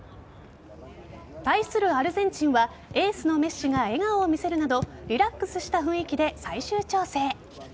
対するアルゼンチンはエースのメッシが笑顔を見せるなどリラックスした雰囲気で最終調整。